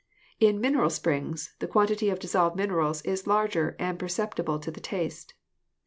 In 'mineral springs' the quantity of dissolved materials is larger and perceptible to the taste.